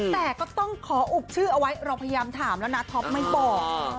แต่ก็ต้องขออุบชื่อเอาไว้เราพยายามถามแล้วนะท็อปไม่บอก